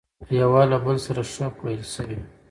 يوه له بل سره ښه پويل شوي،